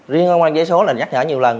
riêng ông giấy số là nhắc nhở nhiều lần